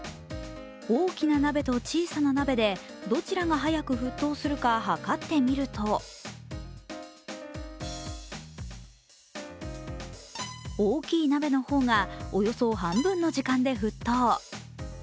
大きな鍋と小さな鍋でどちらが早く沸騰するか測ってみると大きい鍋の方が、およそ半分の時間で沸騰。